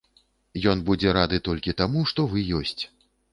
Ён будзе рады толькі таму, што вы ёсць.